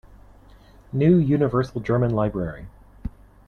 New Universal German Library.